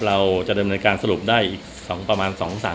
เราจะดำเนินการสรุปได้ประมาณ๒๓คดีที่เกี่ยวข้องทั้งหมดครับ